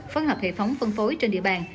phân hợp hệ thống phân phối trên địa bàn